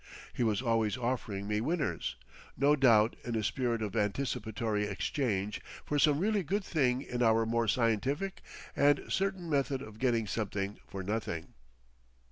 He was always offering me winners; no doubt in a spirit of anticipatory exchange for some really good thing in our more scientific and certain method of getting something for nothing....